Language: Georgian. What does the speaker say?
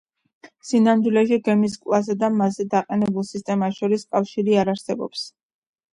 სინამდვილეში, გემის კლასსა და მასზე დაყენებულ სისტემას შორის კავშირი არ არსებობს.